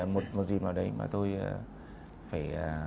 một gì mà tôi